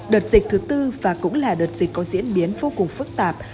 đợt dịch thứ tư và cũng là đợt dịch có diễn biến vô cùng phức tạp